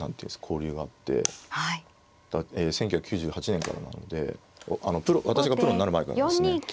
１９９８年からなので私がプロになる前からですね。